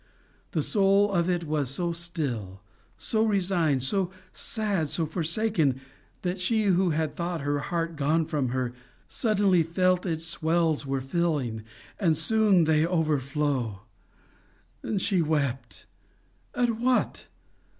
The soul of it was so still, so resigned, so sad, so forsaken, that she who had thought her heart gone from her, suddenly felt its wells were filling, and soon they overflowed. She wept. At what?